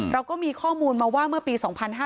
เราก็มีข้อมูลมาว่าเมื่อปี๒๕๕๙